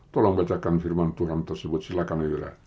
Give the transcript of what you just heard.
tolong bacakan firman tuhan tersebut silakan ayora